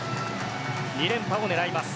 ２連覇を狙います。